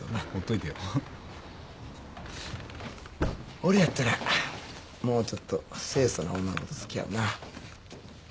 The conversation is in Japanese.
俺やったらもうちょっと清楚な女の子とつきあうな。